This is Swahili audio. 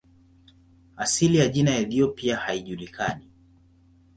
Asili ya jina "Ethiopia" haijulikani.